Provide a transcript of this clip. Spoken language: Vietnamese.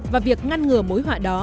và việc ngăn ngừa mối họa đó